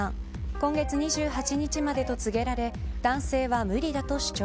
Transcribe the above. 今月２８日までと告げられ男性は無理だと主張。